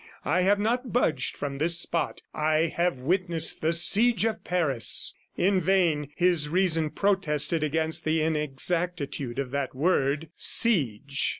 I have not budged from this spot. I have witnessed the siege of Paris." In vain, his reason protested against the inexactitude of that word, "siege."